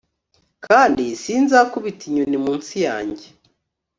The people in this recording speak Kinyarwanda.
kandi sinzakubita inyoni munsi yanjye